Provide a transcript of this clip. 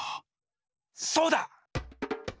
そうだ！